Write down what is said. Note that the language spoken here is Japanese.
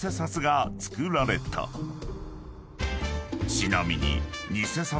［ちなみに］